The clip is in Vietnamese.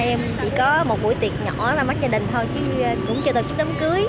em chỉ có một buổi tiệc nhỏ ra mắt gia đình thôi chứ cũng chưa tổ chức đám cưới